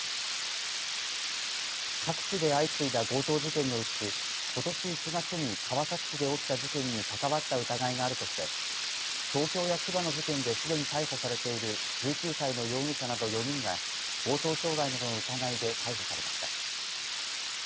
各地で相次いだ強盗事件のうちことし１月に川崎市で起きた事件に関わった疑いがあるとして東京や千葉の事件ですでに逮捕されている１９歳の容疑者など４人が強盗傷害などの疑いで逮捕されました。